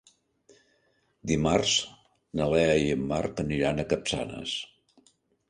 Dimarts na Lea i en Marc aniran a Capçanes.